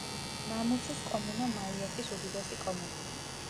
მამუცუს კომუნა მაიოტის უდიდესი კომუნაა.